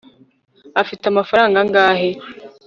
afite amafaranga angahe